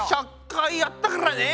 １００回やったからね！